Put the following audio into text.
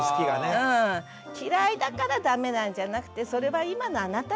嫌いだからダメなんじゃなくてそれは今のあなただよねって。